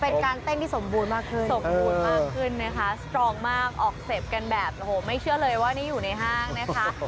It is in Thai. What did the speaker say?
เป็นการเต้นที่สมบูรณ์มากขึ้นสมบูรณ์มากขึ้นนะคะสตรองมากออกเซฟกันแบบโอ้โหไม่เชื่อเลยว่านี่อยู่ในห้างนะคะ